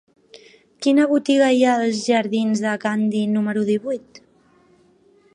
Quina botiga hi ha als jardins de Gandhi número divuit?